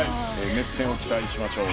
熱戦を期待しましょう。